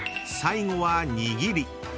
［最後は握り］